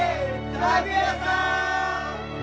拓哉さん！